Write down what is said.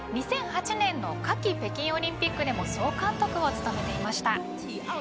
２００８年の夏季オリンピックでも総監督を務めていました。